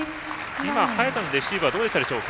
今、早田のレシーブはどうでしたでしょうか。